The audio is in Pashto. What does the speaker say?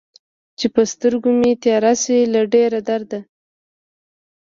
چې په سترګو مې تياره شي له ډېر درده